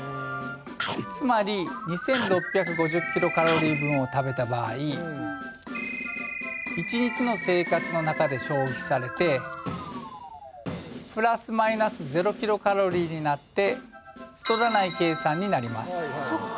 つまり２６５０キロカロリー分を食べた場合１日の生活の中で消費されてプラスマイナス０キロカロリーになって太らない計算になります